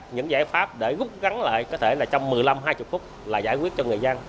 những giải pháp để gút gắn lại có thể là trong một mươi năm hai mươi phút là giải quyết cho người dân